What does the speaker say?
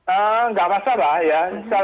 enggak masalah ya